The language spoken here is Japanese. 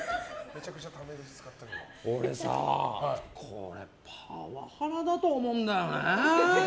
俺さこれ、パワハラだと思うんだよね。